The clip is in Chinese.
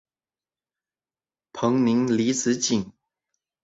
彭宁离子阱。